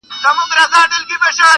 چي یو زه وای یوه ته وای،